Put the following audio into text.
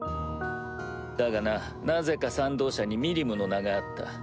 だがななぜか賛同者にミリムの名があった。